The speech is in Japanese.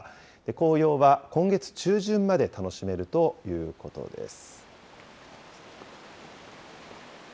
紅葉は今月中旬まで楽しめるということです。